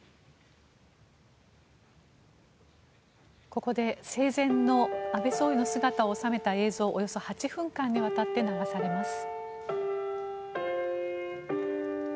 ここで生前の安倍総理の姿を収めた映像およそ８分間にわたって流されます。